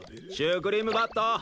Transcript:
シュークリーム・バット！